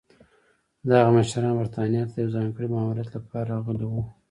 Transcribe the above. دغه مشران برېټانیا ته د یوه ځانګړي ماموریت لپاره راغلي وو.